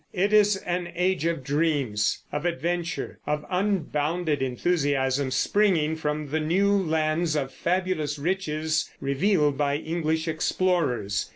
It is an age of dreams, of adventure, of unbounded enthusiasm springing from the new lands of fabulous riches revealed by English explorers.